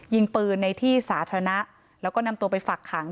ยิงปืนในที่สาธารณะแล้วก็นำตัวไปฝักขัง